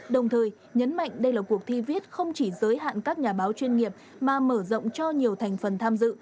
đồng thời nhấn mạnh đây là cuộc thi viết không chỉ giới hạn các nhà báo chuyên nghiệp mà mở rộng cho nhiều thành phần tham dự